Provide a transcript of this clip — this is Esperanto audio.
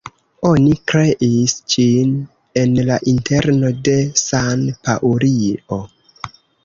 Oni kreis ĝin en la interno de San-Paŭlio.